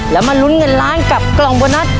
แล้วมาลุ้นเงินล้านกับกล่องโบนัส